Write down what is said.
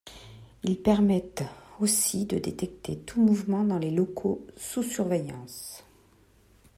Ils permettent aussi de détecter tout mouvement dans les locaux sous surveillance.